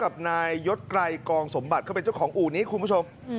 กับนายยศไกรกองสมบัติเขาเป็นเจ้าของอู่นี้คุณผู้ชม